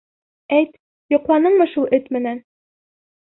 Әйт, йоҡланыңмы шул эт менән?